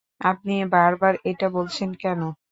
আপনি বারবার এটা বলছেন কেন?